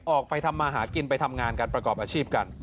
ออกไปทำมาหากินไปทำงานกันประกอบอาชีพกัน